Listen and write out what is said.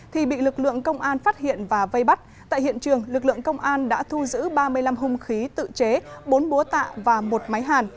thì bị lực lượng công an phát hiện và vây bắt tại hiện trường lực lượng công an đã thu giữ ba mươi năm hung khí tự chế bốn búa tạ và một máy hàn